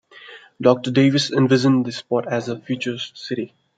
Doctor Davis envisioned the spot as a future city.